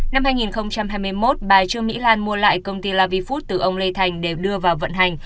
năm hai nghìn hai mươi một bà trương mỹ lan mua lại công ty lavifood từ ông lê thành đều đưa vào vận hành